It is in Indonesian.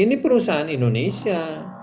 ini perusahaan indonesia